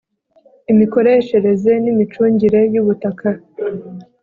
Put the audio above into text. imikoreshereze n imicungire y ubutaka